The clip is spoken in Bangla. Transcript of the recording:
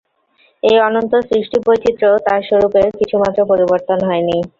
এই অনন্ত সৃষ্টিবৈচিত্র্যেও তাঁর স্বরূপের কিছুমাত্র পরিবর্তন হয়নি।